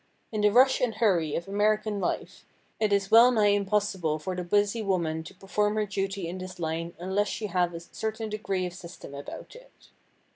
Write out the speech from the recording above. In the rush and hurry of American life, it is well nigh impossible for the busy woman to perform her duty in this line unless she have a certain degree of system about it.